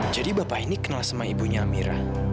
jadi bapak ini kenal sama ibunya amira